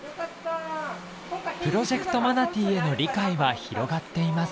プロジェクトマナティへの理解は広がっています。